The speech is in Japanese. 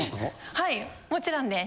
はいもちろんです。